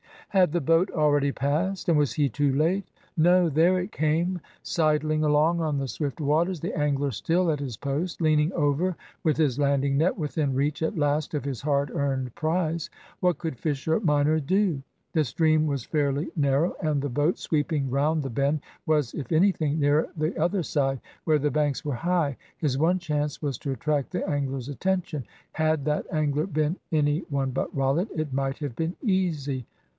Had the boat already passed, and was he too late! No; there it came, sidling along on the swift waters, the angler still at his post, leaning over with his landing net, within reach at last of his hard earned prize. What could Fisher minor do! The stream was fairly narrow, and the boat, sweeping round the bend, was, if anything, nearer the other side, where the banks were high. His one chance was to attract the anglers attention. Had that angler been any one but Rollitt, it might have been easy.